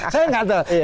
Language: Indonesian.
saya enggak tahu